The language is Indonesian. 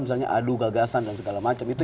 misalnya adu gagasan dan segala macam itu